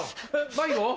迷子？